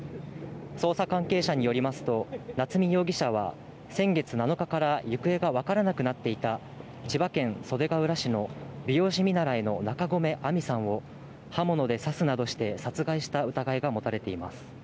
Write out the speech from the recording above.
捜査関係者によりますと、夏見容疑者は先月７日から行方が分からなくなっていた千葉県袖ケ浦市の美容師見習いの中込愛美さんを刃物で刺すなどして、殺害した疑いが持たれています。